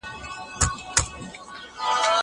زه هره ورځ پوښتنه کوم!!